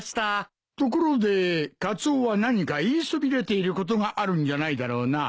ところでカツオは何か言いそびれていることがあるんじゃないだろうな。